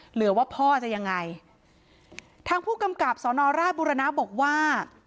เหลือว่าพ่อจะยังไงทางผู้กำกับสอนอราชบุรณะบอกว่า